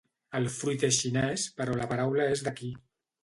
El fruit és xinès però la paraula és d'aquí.